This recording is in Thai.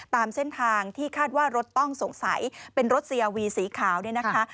ตามเส้นทางที่คาดว่ารถต้องสงสัยเป็นรถสยาวีสีขาวเนี่ยนะคะ